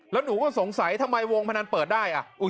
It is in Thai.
แล้วหนูก็สงสัยทำไมวงพนันเปิดได้